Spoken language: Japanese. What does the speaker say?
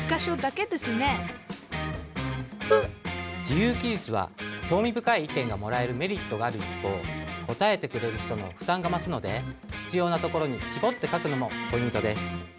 自由記述は興味深い意見がもらえるメリットがある一方答えてくれる人の負担が増すので必要なところにしぼって書くのもポイントです。